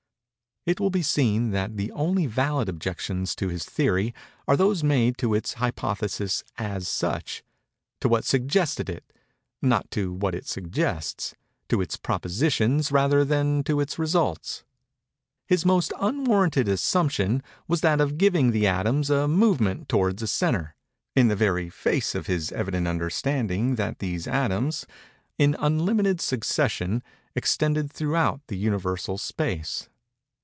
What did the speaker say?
It will be seen that the only valid objections to his theory, are those made to its hypothesis as such—to what suggested it—not to what it suggests; to its propositions rather than to its results. His most unwarranted assumption was that of giving the atoms a movement towards a centre, in the very face of his evident understanding that these atoms, in unlimited succession, extended throughout the Universal space.